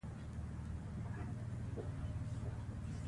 ښاغلي خټک په سیاسي ډګر کې ناکامه نه و.